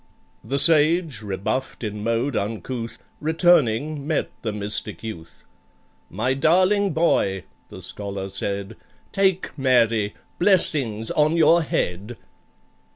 The Sage, rebuffed in mode uncouth, Returning, met the Mystic Youth. "My darling boy," the Scholar said, "Take MARY—blessings on your head!"